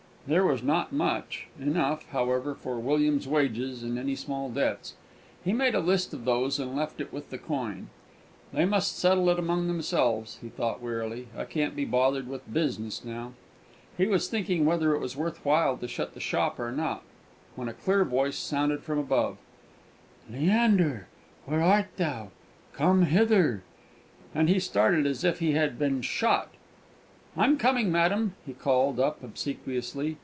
There was not much; enough, however, for William's wages and any small debts. He made a list of these, and left it there with the coin. "They must settle it among themselves," he thought, wearily; "I can't be bothered with business now." He was thinking whether it was worth while to shut the shop up or not; when a clear voice sounded from above "Leander, where art thou? Come hither!" And he started as if he had been shot. "I'm coming, madam," he called up, obsequiously.